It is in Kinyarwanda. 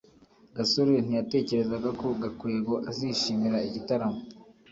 gasore ntiyatekerezaga ko gakwego azishimira igitaramo